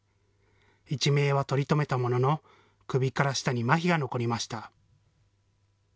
一命は取り留めたものの首から下にまひが残りました。